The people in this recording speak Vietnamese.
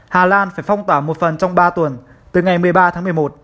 hà lan phải phong tỏa một phần trong ba tuần từ ngày một mươi ba tháng một mươi một